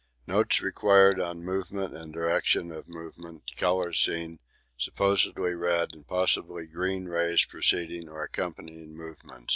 Notes required on movement and direction of movement colours seen supposed red and possibly green rays preceding or accompanying movement.